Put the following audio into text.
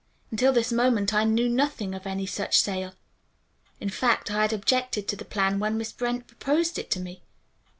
"Until this moment I knew nothing of any such sale. In fact I had objected to the plan when Miss Brent proposed it to me.